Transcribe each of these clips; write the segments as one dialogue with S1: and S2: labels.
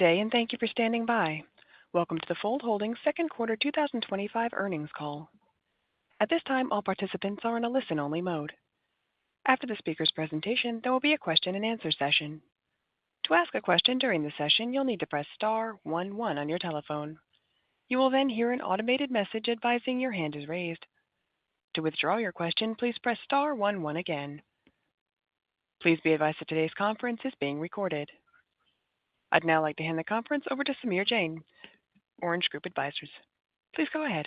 S1: Good day, and thank you for standing by. Welcome to the Fold Holdings second quarter 2025 earnings call. At this time, all participants are in a listen-only mode. After the speaker's presentation, there will be a question-and-answer session. To ask a question during the session, you'll need to press star one one on your telephone. You will then hear an automated message advising your hand is raised. To withdraw your question, please press star one one again. Please be advised that today's conference is being recorded. I'd now like to hand the conference over to Samir Jain, Orange Group Advisors. Please go ahead.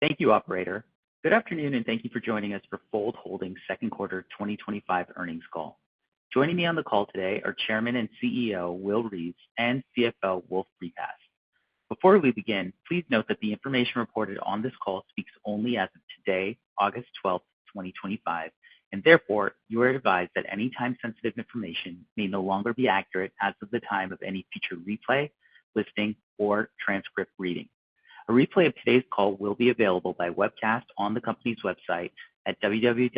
S2: Thank you, Operator. Good afternoon, and thank you for joining us for Fold Holdings second quarter 2025 earnings call. Joining me on the call today are Chairman and CEO Will Reeves and CFO Wolf Repass. Before we begin, please note that the information reported on this call speaks only as of today, August 12th, 2025, and therefore you are advised that any time-sensitive information may no longer be accurate as of the time of any future replay, listing, or transcript reading. A replay of today's call will be available by webcast on the company's website at www.foldapp.com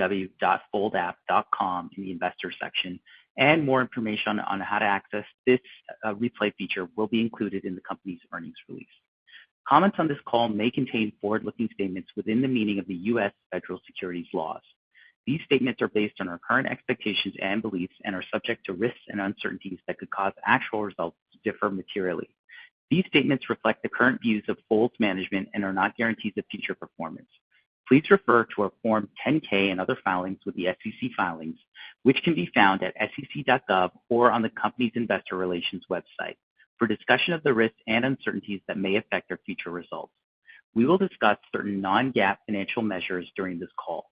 S2: in the investor section, and more information on how to access this replay feature will be included in the company's earnings release. Comments on this call may contain forward-looking statements within the meaning of the U.S. federal securities laws. These statements are based on our current expectations and beliefs and are subject to risks and uncertainties that could cause actual results to differ materially. These statements reflect the current views of Fold's management and are not guarantees of future performance. Please refer to our Form 10-K and other filings with the SEC, which can be found at sec.gov or on the company's investor relations website for discussion of the risks and uncertainties that may affect our future results. We will discuss certain non-GAAP financial measures during this call.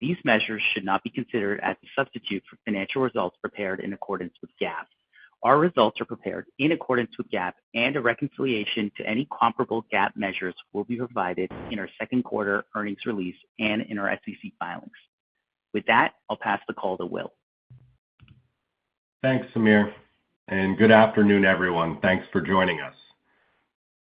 S2: These measures should not be considered as a substitute for financial results prepared in accordance with GAAP. Our results are prepared in accordance with GAAP, and a reconciliation to any comparable GAAP measures will be provided in our second quarter earnings release and in our SEC filings. With that, I'll pass the call to Will.
S3: Thanks, Samir, and good afternoon, everyone. Thanks for joining us.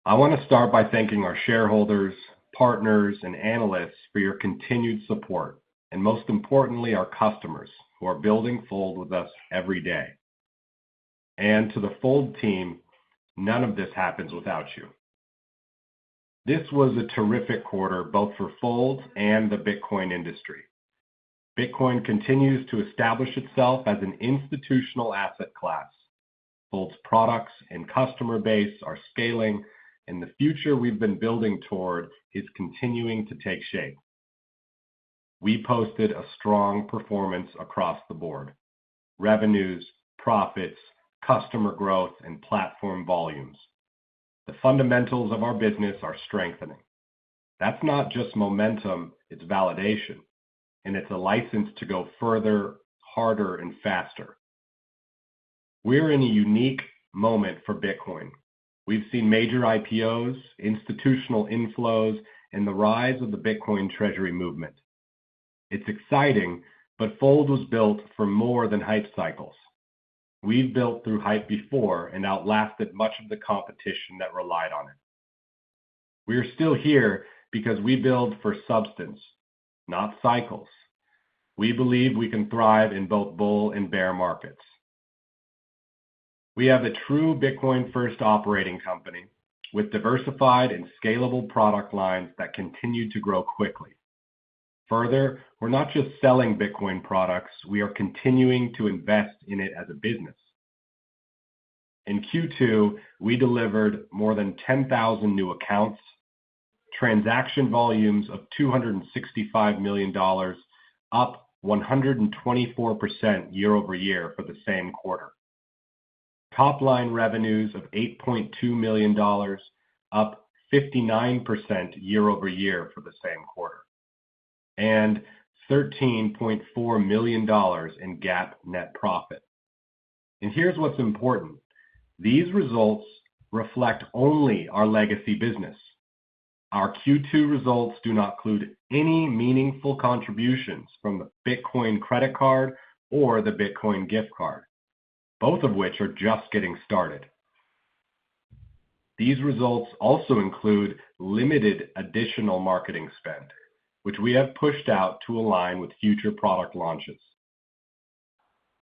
S3: I want to start by thanking our shareholders, partners, and analysts for your continued support, and most importantly, our customers who are building Fold with us every day, and to the Fold team, none of this happens without you. This was a terrific quarter both for Fold and the Bitcoin industry. Bitcoin continues to establish itself as an institutional asset class. Fold's products and customer base are scaling, and the future we've been building toward is continuing to take shape. We posted a strong performance across the board: revenues, profits, customer growth, and platform volumes. The fundamentals of our business are strengthening. That's not just momentum. It's validation, and it's a license to go further, harder, and faster. We're in a unique moment for Bitcoin. We've seen major IPOs, institutional inflows, and the rise of the Bitcoin treasury movement. It's exciting, but Fold was built for more than hype cycles. We've built through hype before and outlasted much of the competition that relied on it. We are still here because we build for substance, not cycles. We believe we can thrive in both bull and bear markets. We have a true Bitcoin-first operating company with diversified and scalable product lines that continue to grow quickly. Further, we're not just selling Bitcoin products; we are continuing to invest in it as a business. In Q2, we delivered more than 10,000 new accounts, transaction volumes of $265 million, up 124% year-over-year for the same quarter, top-line revenues of $8.2 million, up 59% year-over- year for the same quarter, and $13.4 million in GAAP net profit. And here's what's important: these results reflect only our legacy business. Our Q2 results do not include any meaningful contributions from the Bitcoin credit card or the Bitcoin gift card, both of which are just getting started. These results also include limited additional marketing spend, which we have pushed out to align with future product launches.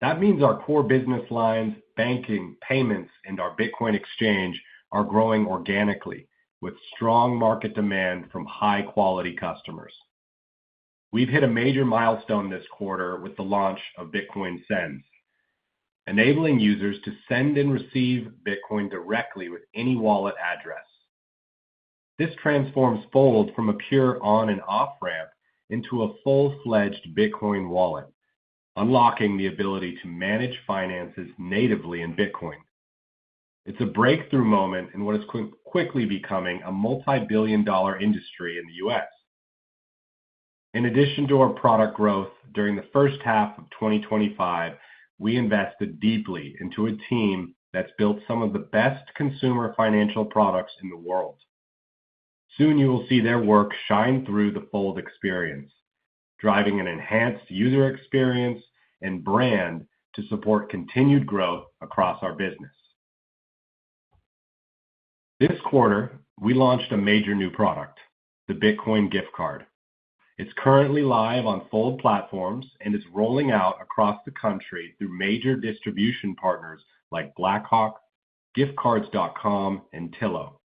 S3: That means our core business lines, banking, payments, and our Bitcoin exchange are growing organically, with strong market demand from high-quality customers. We've hit a major milestone this quarter with the launch of Bitcoin Sends, enabling users to send and receive Bitcoin directly with any wallet address. This transforms Fold from a pure on-and-off ramp into a full-fledged Bitcoin wallet, unlocking the ability to manage finances natively in Bitcoin. It's a breakthrough moment in what is quickly becoming a multi-billion-dollar industry in the U.S. In addition to our product growth during the first half of 2025, we invested deeply into a team that's built some of the best consumer financial products in the world. Soon, you will see their work shine through the Fold experience, driving an enhanced user experience and brand to support continued growth across our business. This quarter, we launched a major new product, the Bitcoin gift card. It's currently live on Fold platforms and is rolling out across the country through major distribution partners like Blackhawk, Giftcards.com, and Tillo.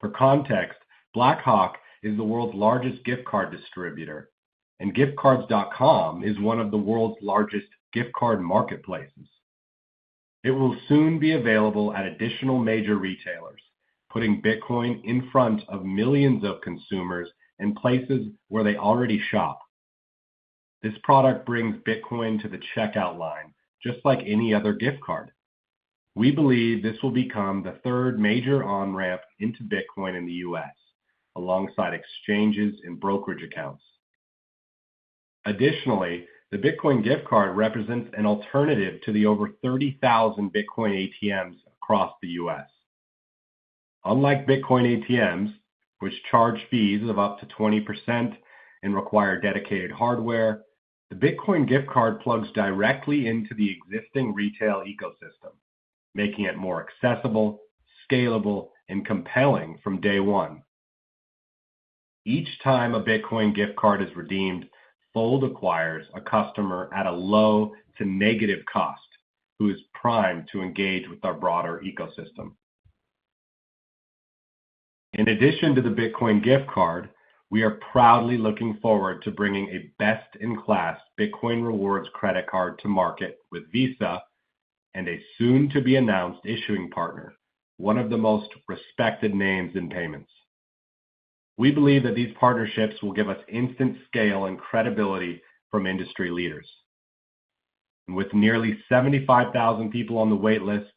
S3: For context, Blackhawk is the world's largest gift card distributor, and Giftcards.com is one of the world's largest gift card marketplaces. It will soon be available at additional major retailers, putting Bitcoin in front of millions of consumers and places where they already shop. This product brings Bitcoin to the checkout line, just like any other gift card. We believe this will become the third major on-ramp into Bitcoin in the U.S., alongside exchanges and brokerage accounts. Additionally, the Bitcoin gift card represents an alternative to the over 30,000 Bitcoin ATMs across the U.S. Unlike Bitcoin ATMs, which charge fees of up to 20% and require dedicated hardware, the Bitcoin gift card plugs directly into the existing retail ecosystem, making it more accessible, scalable, and compelling from day one. Each time a Bitcoin gift card is redeemed, Fold acquires a customer at a low to negative cost who is primed to engage with our broader ecosystem. In addition to the Bitcoin gift card, we are proudly looking forward to bringing a best-in-class Bitcoin Rewards credit card to market with Visa and a soon-to-be-announced issuing partner, one of the most respected names in payments. We believe that these partnerships will give us instant scale and credibility from industry leaders. With nearly 75,000 people on the waitlist,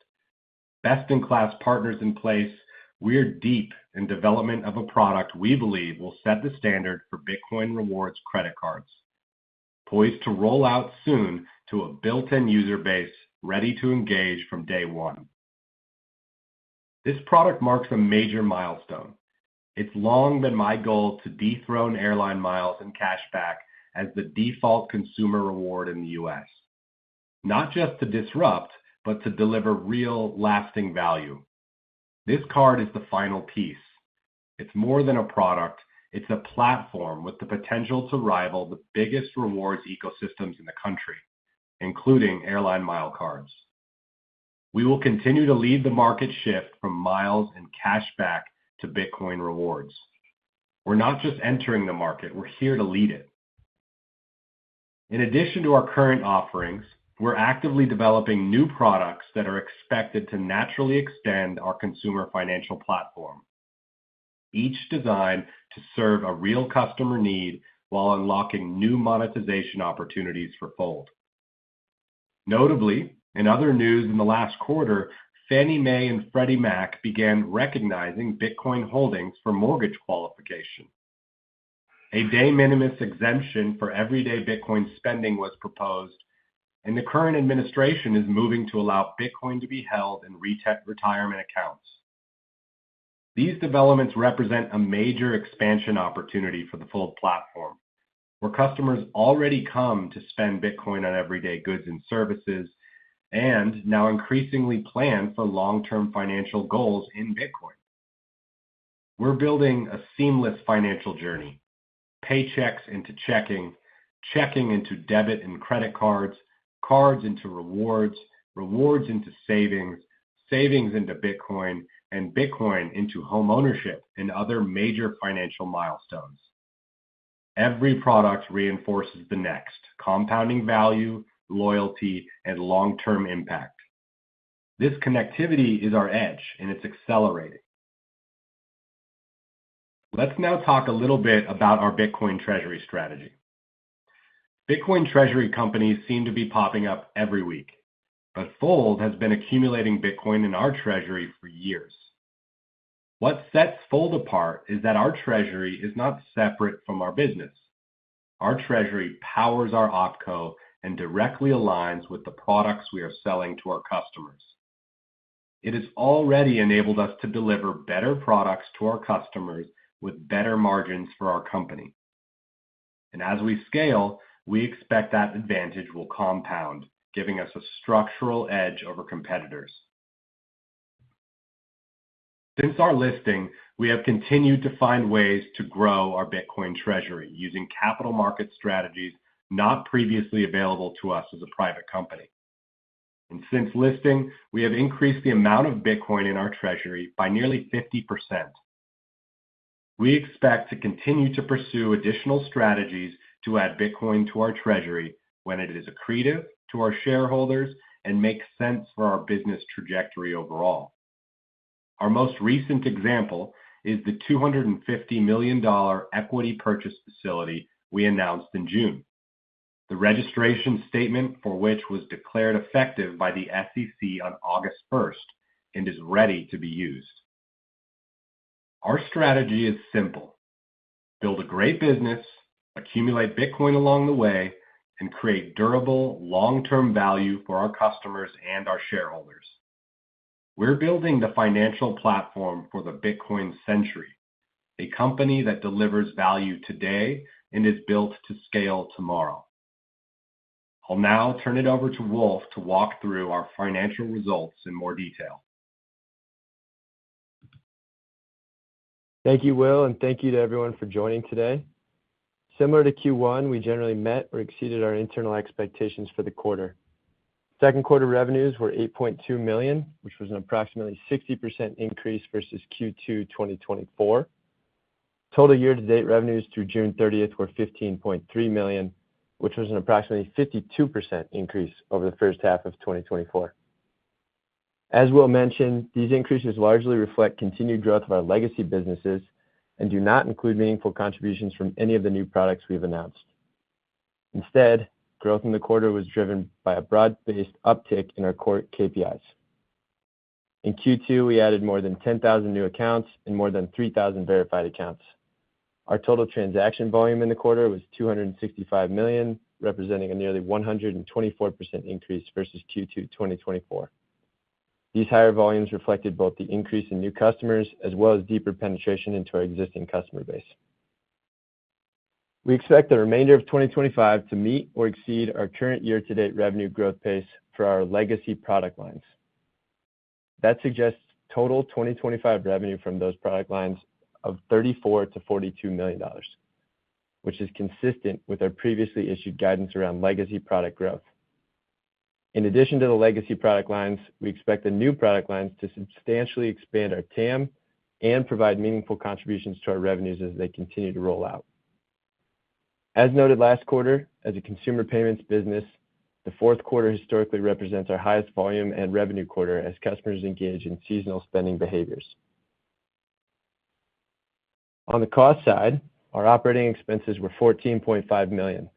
S3: best-in-class partners in place, we are deep in development of a product we believe will set the standard for Bitcoin Rewards credit cards, poised to roll out soon to a built-in user base ready to engage from day one. This product marks a major milestone. It's long been my goal to dethrone airline miles and cashback as the default consumer reward in the U.S., not just to disrupt, but to deliver real, lasting value. This card is the final piece. It's more than a product. It's a platform with the potential to rival the biggest rewards ecosystems in the country, including airline mile cards. We will continue to lead the market shift from miles and cashback to Bitcoin rewards. We're not just entering the market. We're here to lead it. In addition to our current offerings, we're actively developing new products that are expected to naturally extend our consumer financial platform, each designed to serve a real customer need while unlocking new monetization opportunities for Fold. Notably, in other news in the last quarter, Fannie Mae and Freddie Mac began recognizing Bitcoin holdings for mortgage qualification. A de minimis exemption for everyday Bitcoin spending was proposed, and the current administration is moving to allow Bitcoin to be held in retirement accounts. These developments represent a major expansion opportunity for the Fold platform, where customers already come to spend Bitcoin on everyday goods and services and now increasingly plan for long-term financial goals in Bitcoin. We're building a seamless financial journey: paychecks into checking, checking into debit and credit cards, cards into rewards, rewards into savings, savings into Bitcoin, and Bitcoin into homeownership and other major financial milestones. Every product reinforces the next: compounding value, loyalty, and long-term impact. This connectivity is our edge, and it's accelerating. Let's now talk a little bit about our Bitcoin treasury. MicroStrategy. Bitcoin treasury companies seem to be popping up every week, but Fold has been accumulating Bitcoin in our treasury for years. What sets Fold apart is that our treasury is not separate from our business. Our treasury powers our OpCo and directly aligns with the products we are selling to our customers. It has already enabled us to deliver better products to our customers with better margins for our company. And as we scale, we expect that advantage will compound, giving us a structural edge over competitors. Since our listing, we have continued to find ways to grow our Bitcoin treasury using capital market strategies not previously available to us as a private company. And since listing, we have increased the amount of Bitcoin in our treasury by nearly 50%. We expect to continue to pursue additional strategies to add Bitcoin to our treasury when it is accretive to our shareholders and makes sense for our business trajectory overall. Our most recent example is the $250 million equity purchase facility we announced in June, the registration statement for which was declared effective by the SEC on August 1st and is ready to be used. Our strategy is simple: build a great business, accumulate Bitcoin along the way, and create durable, long-term value for our customers and our shareholders. We're building the financial platform for the Bitcoin Century, a company that delivers value today and is built to scale tomorrow. I'll now turn it over to Wolf to walk through our financial results in more detail.
S4: Thank you, Will, and thank you to everyone for joining today. Similar to Q1, we generally met or exceeded our internal expectations for the quarter. Second quarter revenues were $8.2 million, which was an approximately 60% increase versus Q2 2024. Total year-to-date revenues through June 30th were $15.3 million, which was an approximately 52% increase over the first half of 2024. As Will mentioned, these increases largely reflect continued growth of our legacy businesses and do not include meaningful contributions from any of the new products we've announced. Instead, growth in the quarter was driven by a broad-based uptick in our core KPIs. In Q2, we added more than 10,000 new accounts and more than 3,000 verified accounts. Our total transaction volume in the quarter was $265 million, representing a nearly 124% increase versus Q2 2024. These higher volumes reflected both the increase in new customers as well as deeper penetration into our existing customer base. We expect the remainder of 2025 to meet or exceed our current year-to-date revenue growth pace for our legacy product lines. That suggests total 2025 revenue from those product lines of $34 million-$42 million, which is consistent with our previously issued guidance around legacy product growth. In addition to the legacy product lines, we expect the new product lines to substantially expand our TAM and provide meaningful contributions to our revenues as they continue to roll out. As noted last quarter, as a consumer payments business, the fourth quarter historically represents our highest volume and revenue quarter as customers engage in seasonal spending behaviors. On the cost side, our operating expenses were $14.5 million,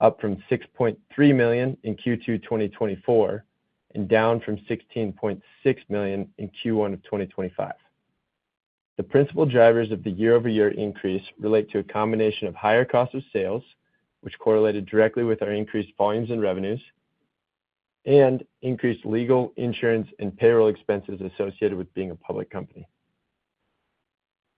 S4: up from $6.3 million in Q2 2024 and down from $16.6 million in Q1 of 2025. The principal drivers of the year-over-year increase relate to a combination of higher costs of sales, which correlated directly with our increased volumes and revenues, and increased legal, insurance, and payroll expenses associated with being a public company.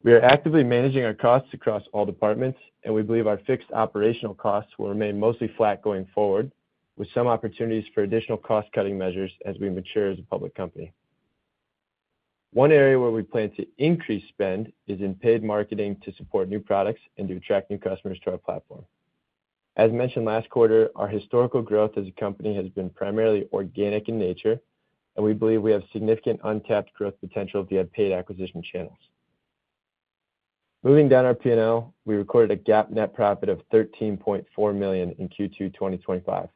S4: We are actively managing our costs across all departments, and we believe our fixed operational costs will remain mostly flat going forward, with some opportunities for additional cost-cutting measures as we mature as a public company. One area where we plan to increase spend is in paid marketing to support new products and to attract new customers to our platform. As mentioned last quarter, our historical growth as a company has been primarily organic in nature, and we believe we have significant untapped growth potential via paid acquisition channels. Moving down our P&L, we recorded a GAAP net profit of $13.4 million in Q2 2025,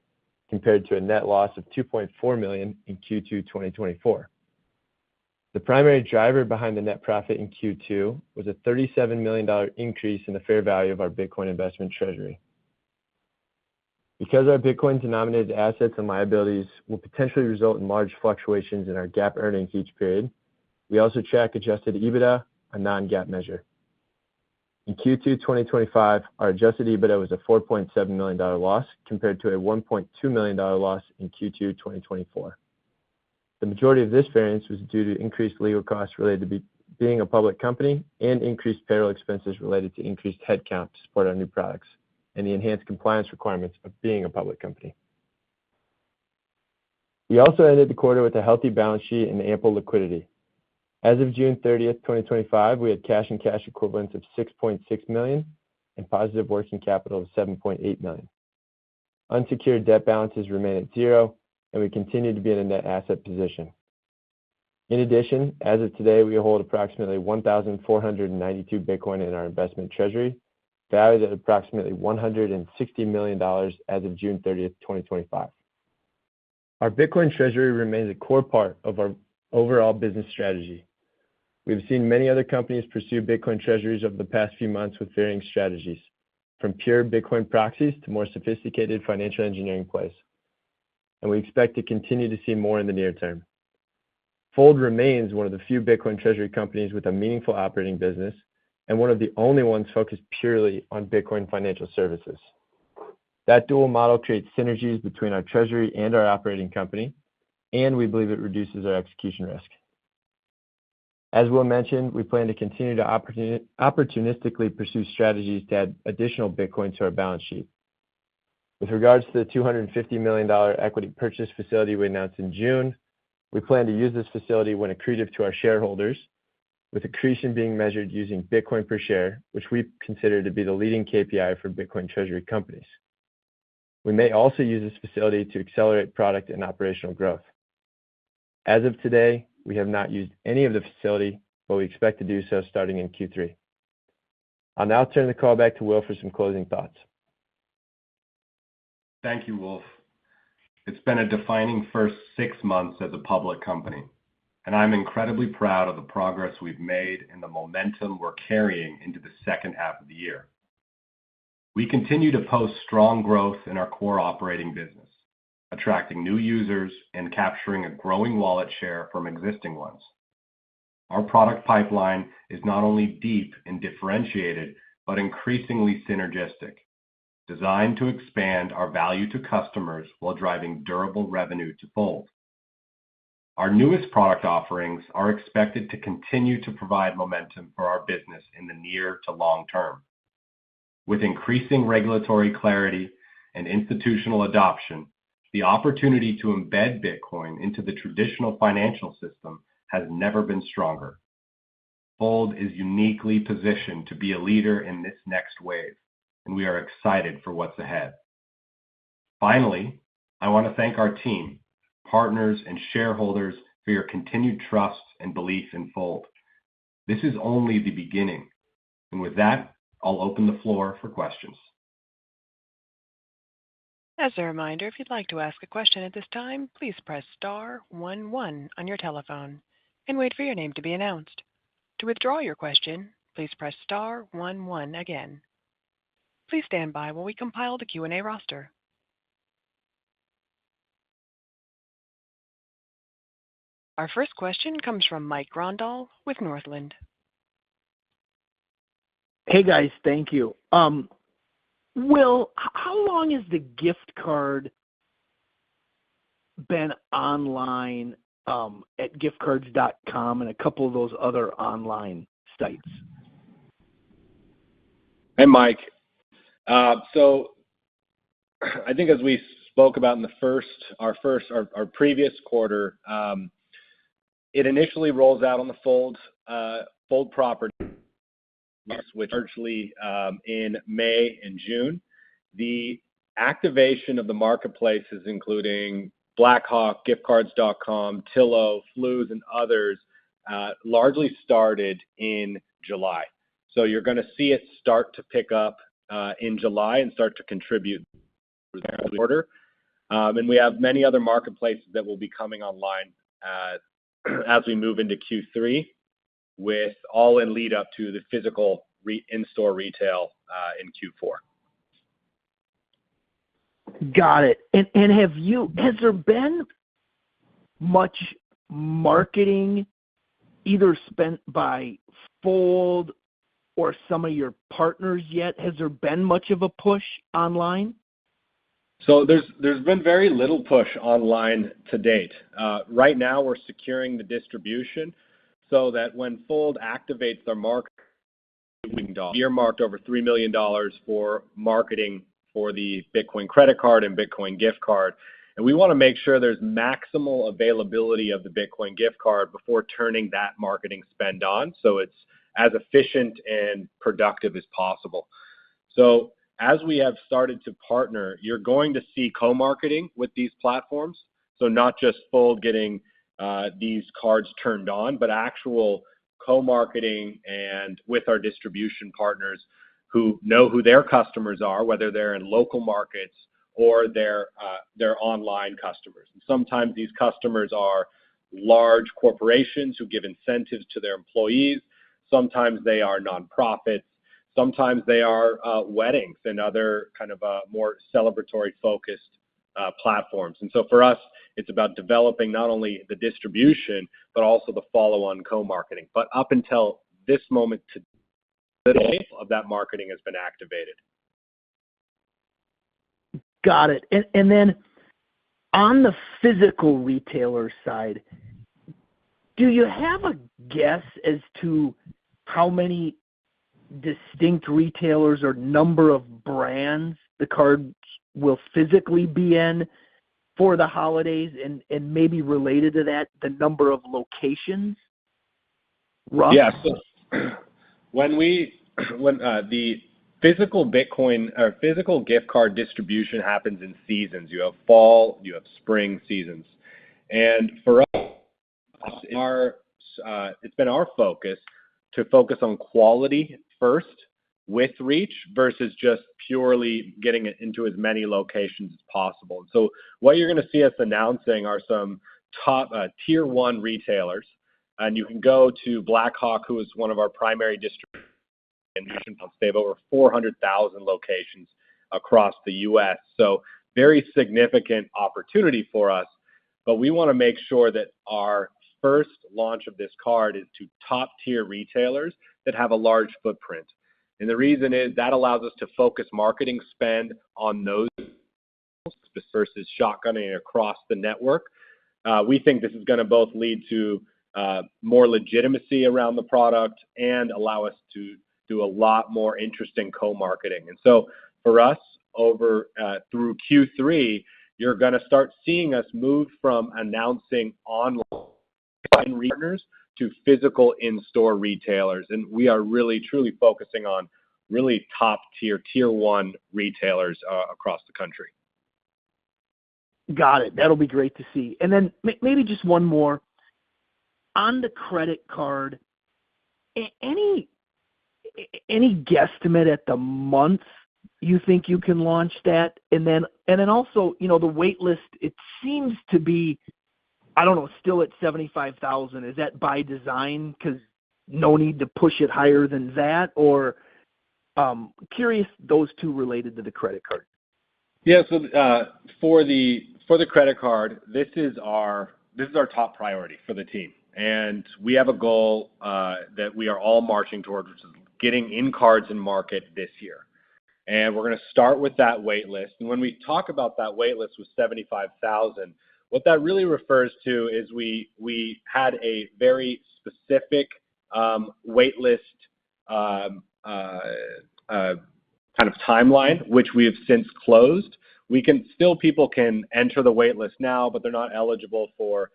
S4: compared to a net loss of $2.4 million in Q2 2024. The primary driver behind the net profit in Q2 was a $37 million increase in the fair value of our Bitcoin investment treasury. Because our Bitcoin-denominated assets and liabilities will potentially result in large fluctuations in our GAAP earnings each period, we also track Adjusted EBITDA, a non-GAAP measure. In Q2 2025, our Adjusted EBITDA was a $4.7 million loss compared to a $1.2 million loss in Q2 2024. The majority of this variance was due to increased legal costs related to being a public company and increased payroll expenses related to increased headcount to support our new products and the enhanced compliance requirements of being a public company. We also ended the quarter with a healthy balance sheet and ample liquidity. As of June 30th, 2025, we had cash and cash equivalents of $6.6 million and positive working capital of $7.8 million. Unsecured debt balances remain at zero, and we continue to be in a net asset position. In addition, as of today, we hold approximately 1,492 Bitcoin in our investment treasury, valued at approximately $160 million as of June 30th, 2025. Our Bitcoin treasury remains a core part of our overall business strategy. We have seen many other companies pursue Bitcoin treasuries over the past few months with varying strategies, from pure Bitcoin proxies to more sophisticated financial engineering plays, and we expect to continue to see more in the near term. Fold remains one of the few Bitcoin treasury companies with a meaningful operating business and one of the only ones focused purely on Bitcoin financial services. That dual model creates synergies between our treasury and our operating company, and we believe it reduces our execution risk. As Will mentioned, we plan to continue to opportunistically pursue strategies to add additional Bitcoin to our balance sheet. With regards to the $250 million equity purchase facility we announced in June, we plan to use this facility when accretive to our shareholders, with accretion being measured using Bitcoin per share, which we consider to be the leading KPI for Bitcoin treasury companies. We may also use this facility to accelerate product and operational growth. As of today, we have not used any of the facility, but we expect to do so starting in Q3. I'll now turn the call back to Will for some closing thoughts.
S3: Thank you, Wolf. It's been a defining first six months as a public company, and I'm incredibly proud of the progress we've made and the momentum we're carrying into the second half of the year. We continue to post strong growth in our core operating business, attracting new users and capturing a growing wallet share from existing ones. Our product pipeline is not only deep and differentiated but increasingly synergistic, designed to expand our value to customers while driving durable revenue to Fold. Our newest product offerings are expected to continue to provide momentum for our business in the near to long term. With increasing regulatory clarity and institutional adoption, the opportunity to embed Bitcoin into the traditional financial system has never been stronger. Fold is uniquely positioned to be a leader in this next wave, and we are excited for what's ahead. Finally, I want to thank our team, partners, and shareholders for your continued trust and belief in Fold. This is only the beginning, and with that, I'll open the floor for questions.
S1: As a reminder, if you'd like to ask a question at this time, please press star one one on your telephone and wait for your name to be announced. To withdraw your question, please press star one one again. Please stand by while we compile the Q&A roster. Our first question comes from Mike Grondahl with Northland.
S5: Hey, guys, thank you. Will, how long has the gift card been online at Giftcards.com and a couple of those other online sites?
S3: Hey, Mike. So I think as we spoke about in our previous quarter, it initially rolls out on the Fold property, which largely in May and June. The activation of the marketplaces, including Blackhawk, Giftcards.com, Tillo, Fluz, and others, largely started in July. So you're going to see it start to pick up in July and start to contribute throughout the quarter. And we have many other marketplaces that will be coming online as we move into Q3, all in lead-up to the physical in-store retail in Q4.
S5: Got it. And has there been much marketing either spent by Fold or some of your partners yet? Has there been much of a push online?
S3: There's been very little push online to date. Right now, we're securing the distribution so that when Fold activates their market, we're marked over $3 million for marketing for the Bitcoin credit card and Bitcoin gift card. We want to make sure there's maximal availability of the Bitcoin gift card before turning that marketing spend on, so it's as efficient and productive as possible. As we have started to partner, you're going to see co-marketing with these platforms. Not just Fold getting these cards turned on, but actual co-marketing with our distribution partners who know who their customers are, whether they're in local markets or they're online customers. Sometimes these customers are large corporations who give incentives to their employees. Sometimes they are nonprofits. Sometimes they are weddings and other kind of more celebratory-focused platforms. And so for us, it's about developing not only the distribution but also the follow-on co-marketing. But up until this moment today, that marketing has been activated.
S5: Got it. And then on the physical retailer side, do you have a guess as to how many distinct retailers or number of brands the cards will physically be in for the holidays and maybe related to that, the number of locations?
S3: Yes. When the physical Bitcoin or physical gift card distribution happens in seasons, you have fall, you have spring seasons. And for us, it's been our focus to focus on quality first with reach versus just purely getting it into as many locations as possible. And so what you're going to see us announcing are some top tier-one retailers. And you can go to Blackhawk, who is one of our primary distributors. They have over 400,000 locations across the U.S. So very significant opportunity for us. But we want to make sure that our first launch of this card is to top-tier retailers that have a large footprint. And the reason is that allows us to focus marketing spend on those versus shotgunning across the network. We think this is going to both lead to more legitimacy around the product and allow us to do a lot more interesting co-marketing. And so for us, through Q3, you're going to start seeing us move from announcing online partners to physical in-store retailers. And we are really, truly focusing on really top-tier, tier-one retailers across the country.
S5: Got it. That'll be great to see, and then maybe just one more. On the credit card, any guesstimate at the month you think you can launch that? And then also the waitlist, it seems to be, I don't know, still at 75,000. Is that by design? Because no need to push it higher than that? Or, curious, those two related to the credit card.
S3: Yeah. So for the credit card, this is our top priority for the team. And we have a goal that we are all marching towards, which is getting our cards in market this year. And we're going to start with that waitlist. And when we talk about that waitlist with 75,000, what that really refers to is we had a very specific waitlist kind of timeline, which we have since closed. Still, people can enter the waitlist now, but they're not eligible for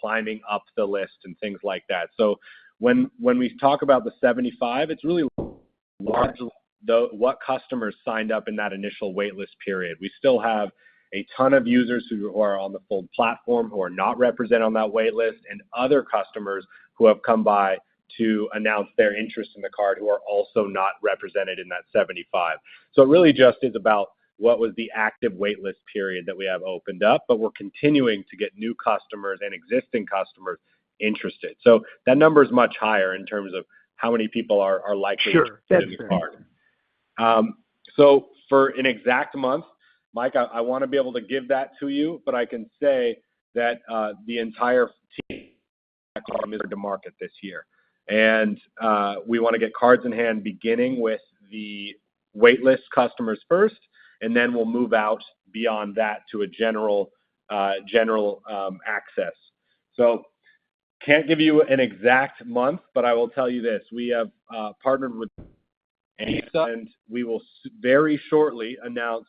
S3: climbing up the list and things like that. So when we talk about the 75,000, it's really largely what customers signed up in that initial waitlist period. We still have a ton of users who are on the Fold platform who are not represented on that waitlist and other customers who have come by to announce their interest in the card who are also not represented in that 75, so it really just is about what was the active waitlist period that we have opened up, but we're continuing to get new customers and existing customers interested, so that number is much higher in terms of how many people are likely to be using the card.
S5: Sure. That's good.
S3: For an exact month, Mike, I want to be able to give that to you, but I can say that the entire team is back on the market this year, and we want to get cards in hand, beginning with the waitlist customers first, and then we'll move out beyond that to a general access, so can't give you an exact month, but I will tell you this. We have partnered with Amazon, and we will very shortly announce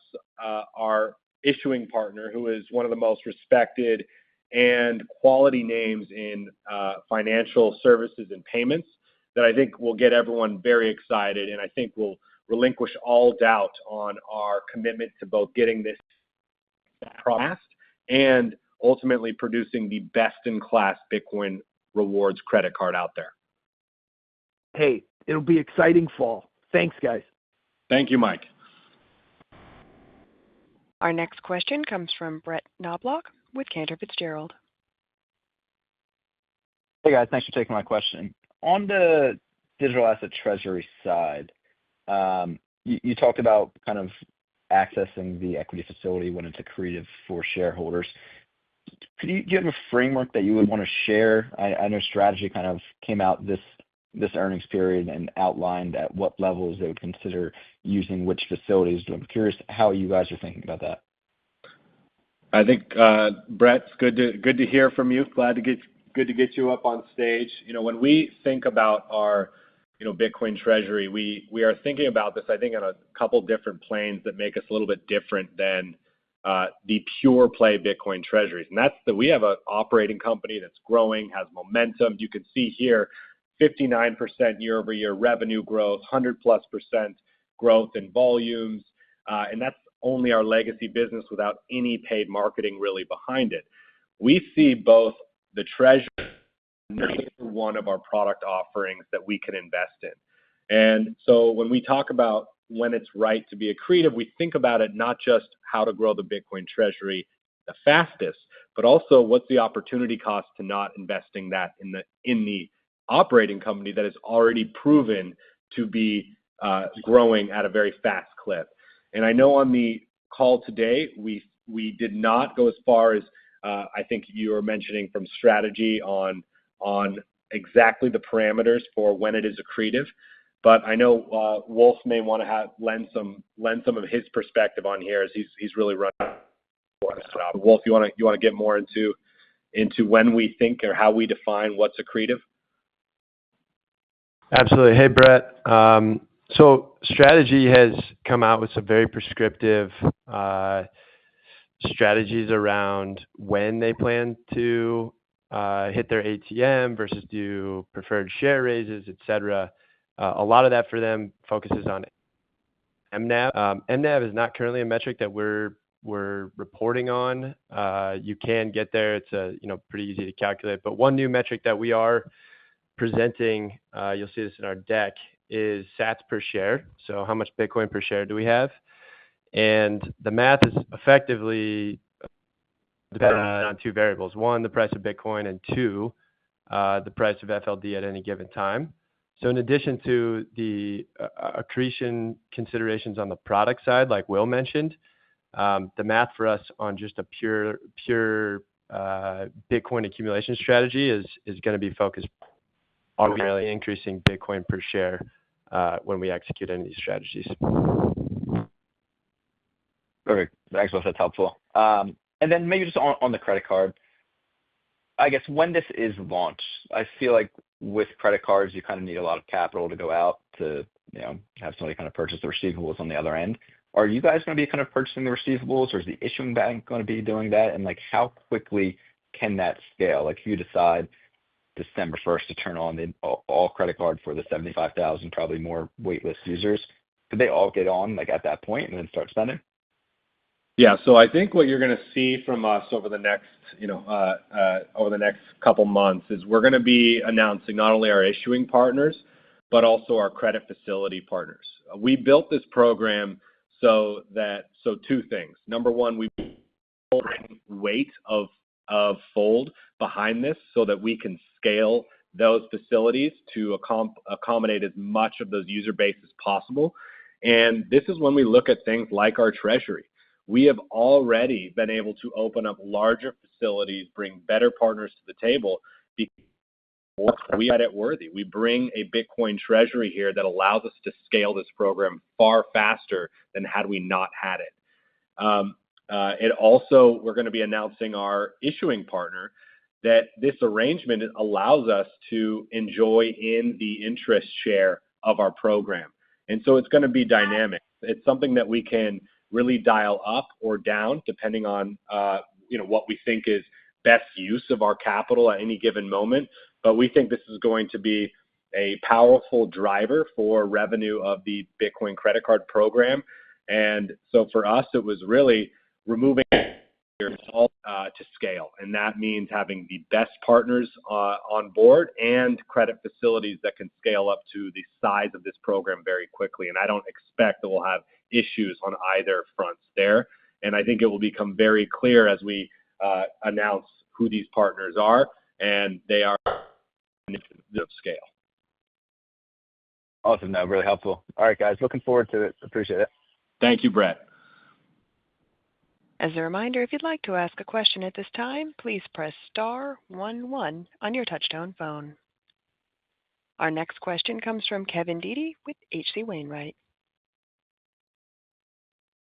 S3: our issuing partner, who is one of the most respected and quality names in financial services and payments that I think will get everyone very excited and I think will relinquish all doubt on our commitment to both getting this fast and ultimately producing the best-in-class Bitcoin rewards credit card out there.
S5: Hey, it'll be exciting fall. Thanks, guys.
S3: Thank you, Mike.
S1: Our next question comes from Brett Knoblauch with Cantor Fitzgerald.
S6: Hey, guys. Thanks for taking my question. On the digital asset treasury side, you talked about kind of accessing the equity facility when it's accretive for shareholders. Do you have a framework that you would want to share? I know Strategy kind of came out this earnings period and outlined at what levels they would consider using which facilities. I'm curious how you guys are thinking about that.
S3: I think, Brett, it's good to hear from you. Glad to get you up on stage. When we think about our Bitcoin treasury, we are thinking about this, I think, on a couple of different planes that make us a little bit different than the pure-play Bitcoin treasuries. And we have an operating company that's growing, has momentum. You can see here, 59% year-over-year revenue growth, 100+% growth in volumes. And that's only our legacy business without any paid marketing really behind it. We see both the treasury as one of our product offerings that we can invest in. And so when we talk about when it's right to be accretive, we think about it not just how to grow the Bitcoin treasury the fastest, but also what's the opportunity cost to not investing that in the operating company that is already proven to be growing at a very fast clip. And I know on the call today, we did not go as far as I think you were mentioning from MicroStrategy on exactly the parameters for when it is accretive. But I know Wolf may want to lend some of his perspective on here as he's really running the stock. Wolf, you want to get more into when we think or how we define what's accretive?
S4: Absolutely. Hey, Brett. So MicroStrategy has come out with some very prescriptive strategies around when they plan to hit their ATM versus do preferred share raises, etc. A lot of that for them focuses on NAV. NAV is not currently a metric that we're reporting on. You can get there. It's pretty easy to calculate. But one new metric that we are presenting, you'll see this in our deck, is sats per share. So how much Bitcoin per share do we have? And the math is effectively dependent on two variables. One, the price of Bitcoin, and two, the price of FLD at any given time. So in addition to the accretion considerations on the product side, like Will mentioned, the math for us on just a pure Bitcoin accumulation strategy is going to be focused on increasing Bitcoin per share when we execute any of these strategies.
S3: Perfect. Thanks, Wolf. That's helpful. And then maybe just on the credit card, I guess when this is launched, I feel like with credit cards, you kind of need a lot of capital to go out to have somebody kind of purchase the receivables on the other end. Are you guys going to be kind of purchasing the receivables, or is the issuing bank going to be doing that? And how quickly can that scale? Who decides December 1st to turn on all credit card for the 75,000, probably more waitlist users? Could they all get on at that point and then start spending? Yeah. So I think what you're going to see from us over the next couple of months is we're going to be announcing not only our issuing partners, but also our credit facility partners. We built this program so that two things. Number one, we've put a weight of Fold behind this so that we can scale those facilities to accommodate as much of those user bases as possible. And this is when we look at things like our treasury. We have already been able to open up larger facilities, bring better partners to the table because we have it worthy. We bring a Bitcoin treasury here that allows us to scale this program far faster than had we not had it. Also, we're going to be announcing our issuing partner that this arrangement allows us to enjoy in the interest share of our program. And so it's going to be dynamic. It's something that we can really dial up or down depending on what we think is best use of our capital at any given moment. But we think this is going to be a powerful driver for revenue of the Bitcoin credit card program. And so for us, it was really room to scale. And that means having the best partners on board and credit facilities that can scale up to the size of this program very quickly. And I don't expect that we'll have issues on either front there. And I think it will become very clear as we announce who these partners are. And they are of scale.
S6: Awesome. That was really helpful. All right, guys. Looking forward to it. Appreciate it.
S3: Thank you, Brett.
S1: As a reminder, if you'd like to ask a question at this time, please press star one one on your touch-tone phone. Our next question comes from Kevin Dede with H.C. Wainwright.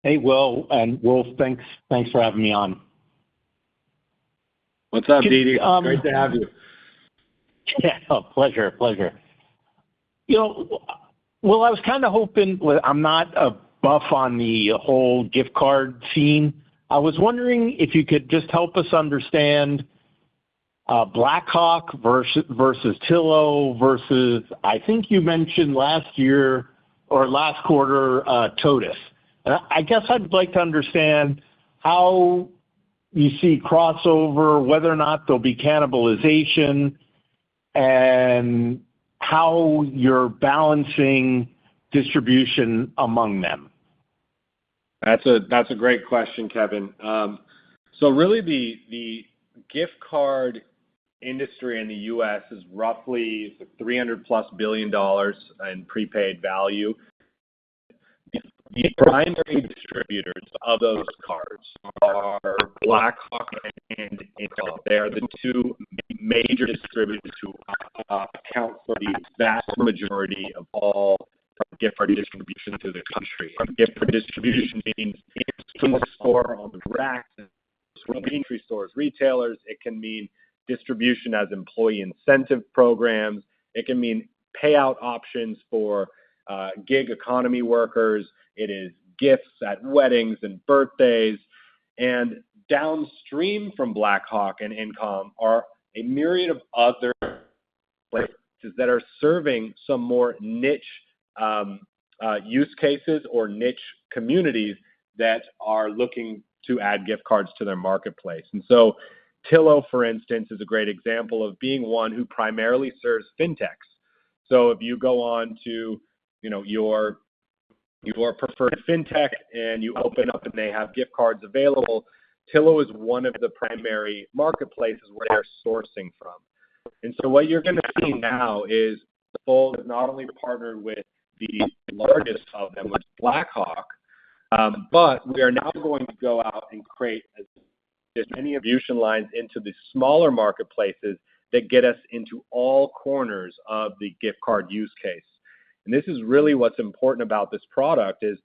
S7: Hey, Will and Wolf, thanks for having me on.
S3: What's up, Dede? Great to have you.
S7: Yeah. Pleasure. Pleasure. I was kind of hoping I'm not up on the whole gift card scene. I was wondering if you could just help us understand Blackhawk versus Tillo versus, I think you mentioned last year or last quarter, Totus. I guess I'd like to understand how you see crossover, whether or not there'll be cannibalization, and how you're balancing distribution among them.
S3: That's a great question, Kevin. So really, the gift card industry in the U.S. is roughly $300+ billion in prepaid value. The primary distributors of those cards are Blackhawk and InComm. They are the two major distributors who account for the vast majority of all gift card distribution through the country. Gift card distribution means getting a store on the rack, so entry stores, retailers. It can mean distribution as employee incentive programs. It can mean payout options for gig economy workers. It is gifts at weddings and birthdays. And downstream from Blackhawk and InComm are a myriad of other places that are serving some more niche use cases or niche communities that are looking to add gift cards to their marketplace. And so Tillo, for instance, is a great example of being one who primarily serves fintechs. So if you go on to your preferred fintech and you open up and they have gift cards available, Tillo is one of the primary marketplaces where they're sourcing from. And so what you're going to see now is Fold has not only partnered with the largest of them, which is Blackhawk, but we are now going to go out and create as many of the distribution lines into the smaller marketplaces that get us into all corners of the gift card use case. And this is really what's important about this product is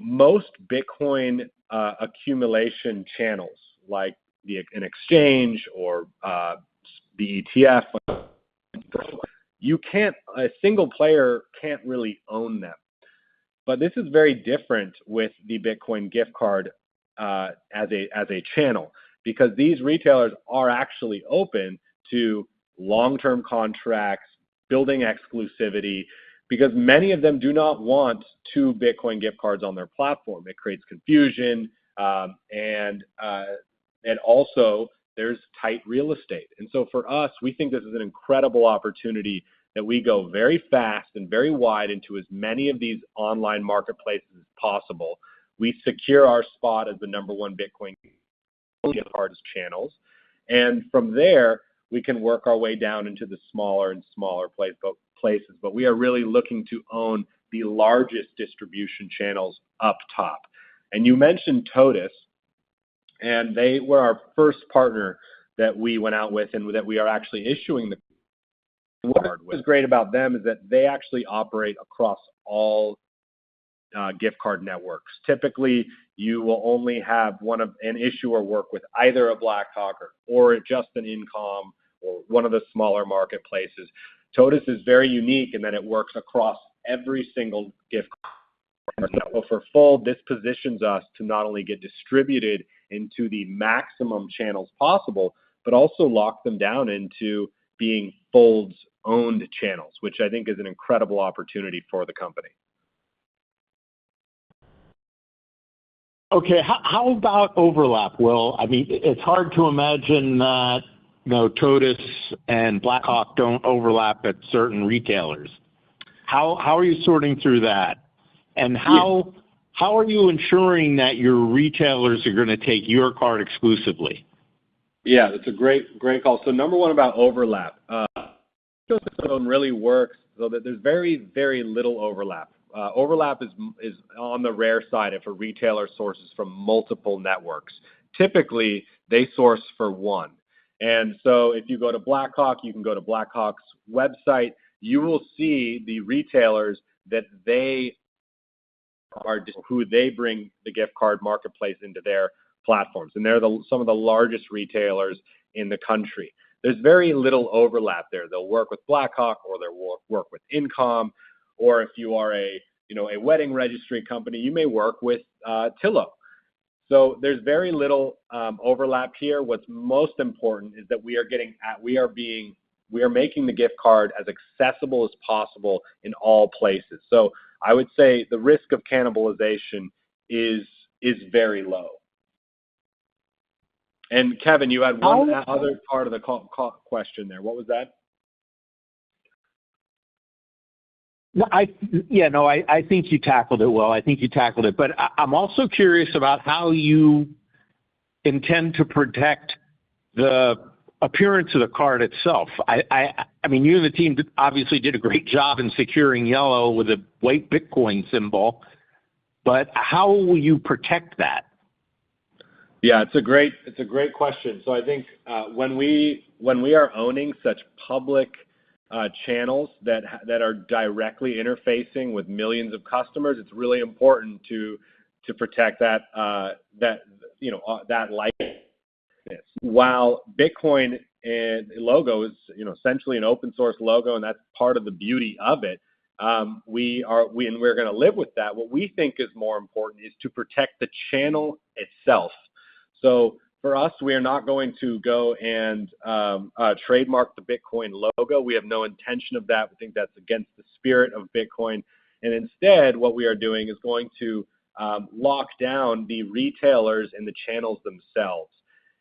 S3: most Bitcoin accumulation channels, like an exchange or the ETF, a single player can't really own them. But this is very different with the Bitcoin gift card as a channel because these retailers are actually open to long-term contracts, building exclusivity, because many of them do not want two Bitcoin gift cards on their platform. It creates confusion, and also there's tight real estate, and so for us, we think this is an incredible opportunity that we go very fast and very wide into as many of these online marketplaces as possible. We secure our spot as the number one Bitcoin gift card channels, and from there, we can work our way down into the smaller and smaller places, but we are really looking to own the largest distribution channels up top, and you mentioned Tillo, and they were our first partner that we went out with and that we are actually issuing the card. What's great about them is that they actually operate across all gift card networks. Typically, you will only have an issuer work with either a Blackhawk or just an InComm or one of the smaller marketplaces. Tillo is very unique in that it works across every single gift card. So for Fold, this positions us to not only get distributed into the maximum channels possible, but also lock them down into being Fold's owned channels, which I think is an incredible opportunity for the company.
S7: Okay. How about overlap, Will? I mean, it's hard to imagine that Totus and Blackhawk don't overlap at certain retailers. How are you sorting through that, and how are you ensuring that your retailers are going to take your card exclusively?
S3: Yeah. That's a great call. So number one about overlap, Tillo really works so that there's very, very little overlap. Overlap is on the rare side if a retailer sources from multiple networks. Typically, they source for one. And so if you go to Blackhawk, you can go to Blackhawk's website. You will see the retailers that they are who they bring the gift card marketplace into their platforms. And they're some of the largest retailers in the country. There's very little overlap there. They'll work with Blackhawk or they'll work with InComm. Or if you are a wedding registry company, you may work with Tillo. So there's very little overlap here. What's most important is that we are making the gift card as accessible as possible in all places. So I would say the risk of cannibalization is very low. Kevin, you had one other part of the question there. What was that?
S7: Yeah. No, I think you tackled it well. I think you tackled it. But I'm also curious about how you intend to protect the appearance of the card itself. I mean, you and the team obviously did a great job in securing yellow with a white Bitcoin symbol. But how will you protect that?
S3: Yeah. It's a great question. So I think when we are owning such public channels that are directly interfacing with millions of customers, it's really important to protect that likeness. While Bitcoin logo is essentially an open-source logo, and that's part of the beauty of it, and we're going to live with that, what we think is more important is to protect the channel itself. So for us, we are not going to go and trademark the Bitcoin logo. We have no intention of that. We think that's against the spirit of Bitcoin. And instead, what we are doing is going to lock down the retailers and the channels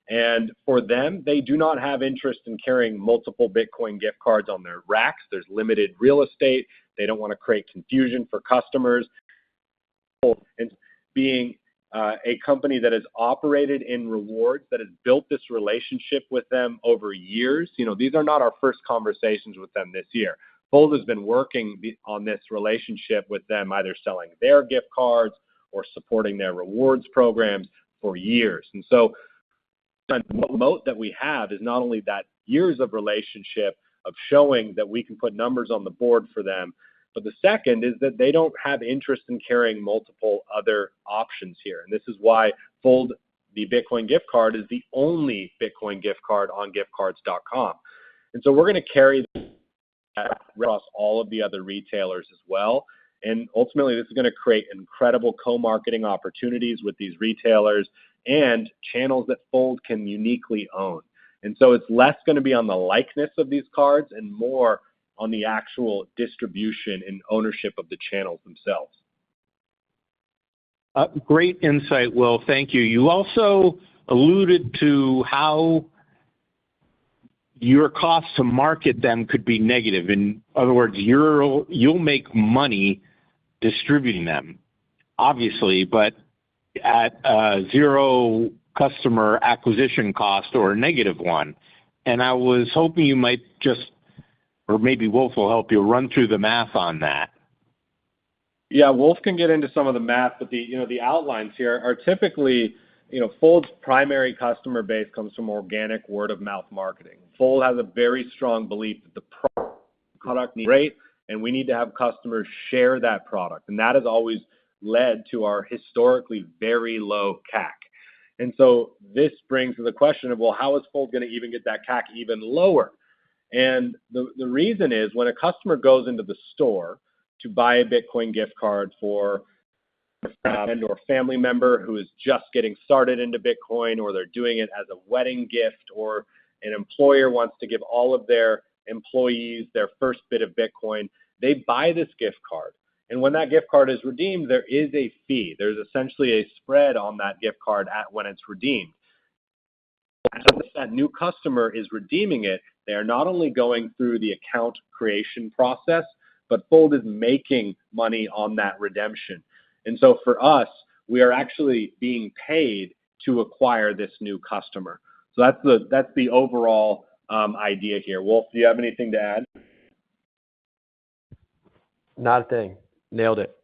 S3: themselves. And for them, they do not have interest in carrying multiple Bitcoin gift cards on their racks. There's limited real estate. They don't want to create confusion for customers. Being a company that has operated in rewards, that has built this relationship with them over years, these are not our first conversations with them this year. Fold has been working on this relationship with them, either selling their gift cards or supporting their rewards programs for years. The moat that we have is not only that years of relationship of showing that we can put numbers on the board for them, but the second is that they don't have interest in carrying multiple other options here. This is why Fold, the Bitcoin gift card, is the only Bitcoin gift card on Giftcards.com. We're going to carry that across all of the other retailers as well. Ultimately, this is going to create incredible co-marketing opportunities with these retailers and channels that Fold can uniquely own. It's less going to be on the likeness of these cards and more on the actual distribution and ownership of the channels themselves.
S7: Great insight, Will. Thank you. You also alluded to how your cost to market them could be negative. In other words, you'll make money distributing them, obviously, but at zero customer acquisition cost or negative one. And I was hoping you might just, or maybe Wolf will help you run through the math on that.
S3: Yeah. Wolf can get into some of the math, but the outlines here are typically Fold's primary customer base comes from organic word-of-mouth marketing. Fold has a very strong belief that the product needs rate, and we need to have customers share that product. And that has always led to our historically very low CAC. And so this brings the question of, well, how is Fold going to even get that CAC even lower? And the reason is when a customer goes into the store to buy a Bitcoin gift card for a friend or family member who is just getting started into Bitcoin, or they're doing it as a wedding gift, or an employer wants to give all of their employees their first bit of Bitcoin, they buy this gift card. And when that gift card is redeemed, there is a fee. There's essentially a spread on that gift card when it's redeemed. As that new customer is redeeming it, they are not only going through the account creation process, but Fold is making money on that redemption. And so for us, we are actually being paid to acquire this new customer. So that's the overall idea here. Wolf, do you have anything to add?
S4: Not a thing. Nailed it.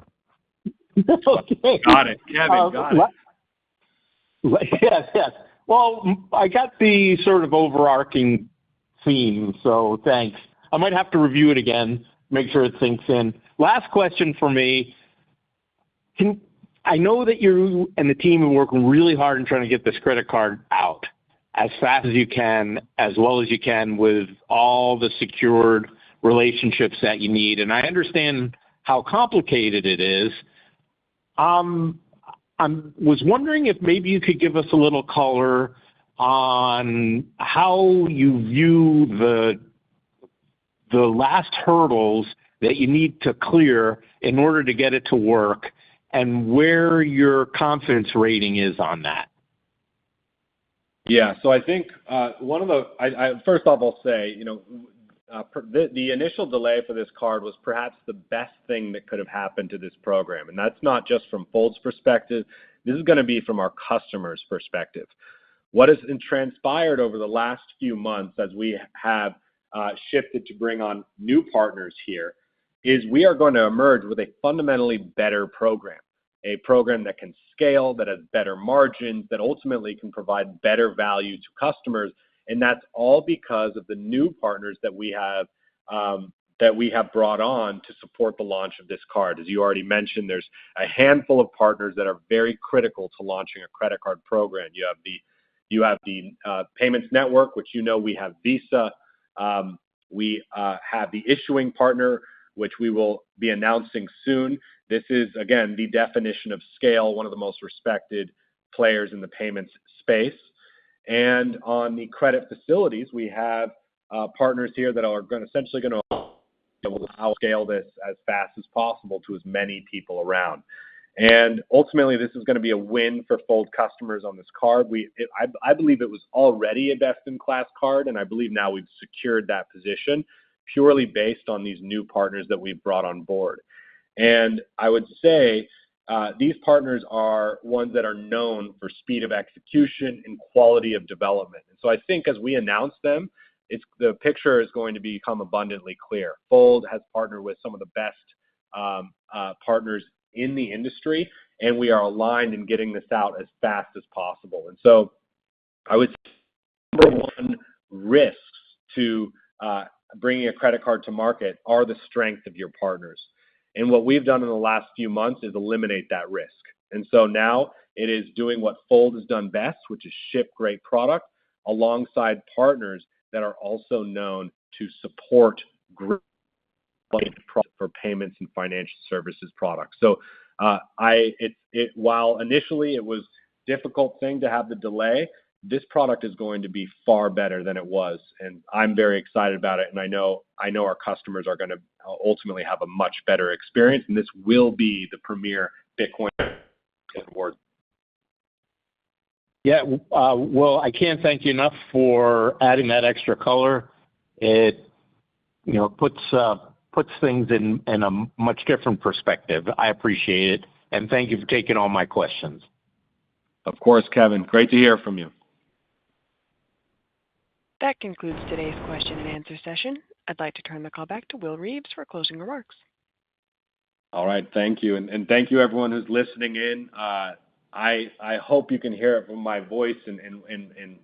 S7: Okay.
S3: Got it. Kevin, got it.
S7: Yes. Yes. Well, I got the sort of overarching theme, so thanks. I might have to review it again, make sure it sinks in. Last question for me. I know that you and the team have worked really hard in trying to get this credit card out as fast as you can, as well as you can, with all the secured relationships that you need. And I understand how complicated it is. I was wondering if maybe you could give us a little color on how you view the last hurdles that you need to clear in order to get it to work and where your confidence rating is on that?
S3: Yeah. So I think one of the first off, I'll say the initial delay for this card was perhaps the best thing that could have happened to this program. And that's not just from Fold's perspective. This is going to be from our customer's perspective. What has transpired over the last few months as we have shifted to bring on new partners here is we are going to emerge with a fundamentally better program, a program that can scale, that has better margins, that ultimately can provide better value to customers. And that's all because of the new partners that we have brought on to support the launch of this card. As you already mentioned, there's a handful of partners that are very critical to launching a credit card program. You have the payment network, which you know we have Visa. We have the issuing partner, which we will be announcing soon. This is, again, the definition of scale, one of the most respected players in the payments space. And on the credit facilities, we have partners here that are essentially going to scale this as fast as possible to as many people around. And ultimately, this is going to be a win for Fold customers on this card. I believe it was already a best-in-class card, and I believe now we've secured that position purely based on these new partners that we've brought on board. And I would say these partners are ones that are known for speed of execution and quality of development. And so I think as we announce them, the picture is going to become abundantly clear. Fold has partnered with some of the best partners in the industry, and we are aligned in getting this out as fast as possible. And so I would say number one risks to bringing a credit card to market are the strength of your partners. And what we've done in the last few months is eliminate that risk. And so now it is doing what Fold has done best, which is ship great product alongside partners that are also known to support great product for payments and financial services products. So while initially it was a difficult thing to have the delay, this product is going to be far better than it was. And I'm very excited about it. And I know our customers are going to ultimately have a much better experience. And this will be the premier Bitcoin rewards.
S7: Yeah. Well, I can't thank you enough for adding that extra color. It puts things in a much different perspective. I appreciate it. And thank you for taking all my questions.
S3: Of course, Kevin. Great to hear from you.
S1: That concludes today's question and answer session. I'd like to turn the call back to Will Reeves for closing remarks.
S3: All right. Thank you and thank you, everyone who's listening in. I hope you can hear it from my voice and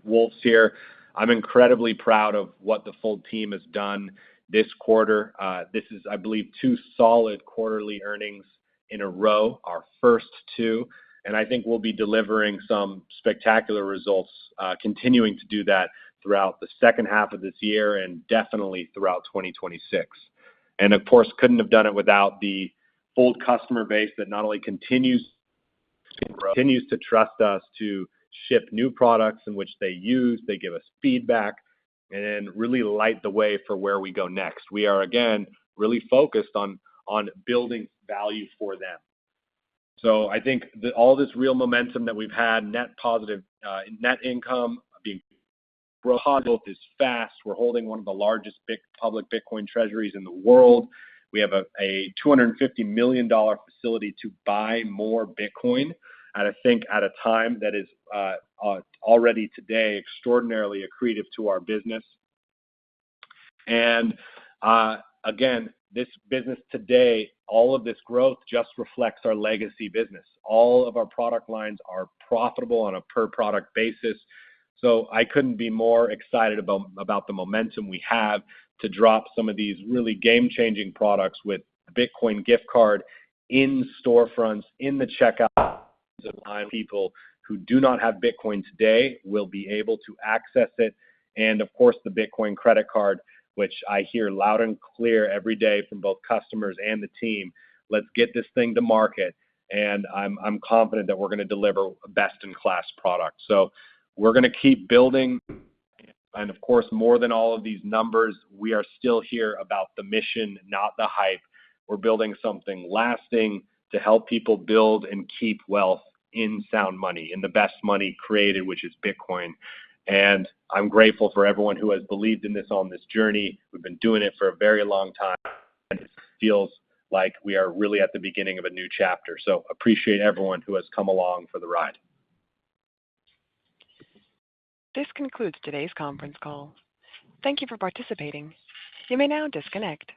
S3: Wolf's here. I'm incredibly proud of what the Fold team has done this quarter. This is, I believe, two solid quarterly earnings in a row, our first two, and I think we'll be delivering some spectacular results, continuing to do that throughout the second half of this year and definitely throughout 2026 and of course, couldn't have done it without the Fold customer base that not only continues to trust us to ship new products in which they use, they give us feedback, and then really light the way for where we go next. We are, again, really focused on building value for them, so I think all this real momentum that we've had, net positive net income being growing positive is fast. We're holding one of the largest public Bitcoin treasuries in the world. We have a $250 million facility to buy more Bitcoin at a time that is already today extraordinarily accretive to our business. And again, this business today, all of this growth just reflects our legacy business. All of our product lines are profitable on a per-product basis. So I couldn't be more excited about the momentum we have to drop some of these really game-changing products with Bitcoin gift card in storefronts, in the checkout lines. People who do not have Bitcoin today will be able to access it. And of course, the Bitcoin credit card, which I hear loud and clear every day from both customers and the team, let's get this thing to market. And I'm confident that we're going to deliver a best-in-class product. So we're going to keep building. And of course, more than all of these numbers, we are still here about the mission, not the hype. We're building something lasting to help people build and keep wealth in sound money, in the best money created, which is Bitcoin. And I'm grateful for everyone who has believed in this on this journey. We've been doing it for a very long time. And it feels like we are really at the beginning of a new chapter. So appreciate everyone who has come along for the ride.
S1: This concludes today's conference call. Thank you for participating. You may now disconnect.